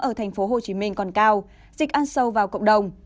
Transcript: ở tp hcm còn cao dịch ăn sâu vào cộng đồng